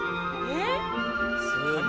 えっ？